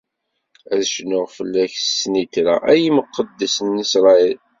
Ad cnuɣ fell-ak s snitra, a imqeddes n Isṛayil!